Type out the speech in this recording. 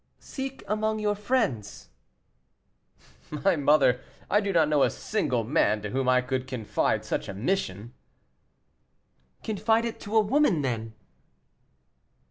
"Seek among your friends." "My mother, I do not know a single man to whom I could confide such a mission." "Confide it to a woman, then."